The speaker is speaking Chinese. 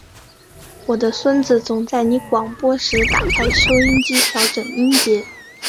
我的孙子总在你广播时打开收音机调整音节。